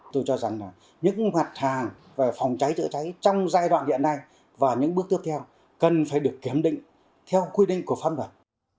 tôi cho rằng là những mặt hàng về phòng cháy chữa cháy trong giai đoạn hiện nay và những bước tiếp theo cần phải được kiểm định theo quy định của pháp luật